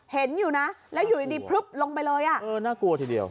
เห็นอยู่นะแล้วอยู่ดีพลึบลงไปเลยอ่ะเออน่ากลัวทีเดียว